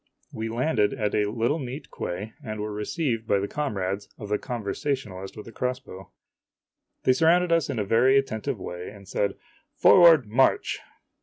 We landed at a little neat quay, and were received by the comrades of the conversationalist with the crossbow. They surrounded us in a very attentive way and said, " Forward, march